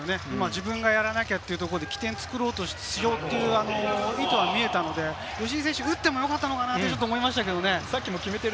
自分がやらなきゃというところで起点を作ろうという意図が見えたので、打ってもよかったのかなと思いました。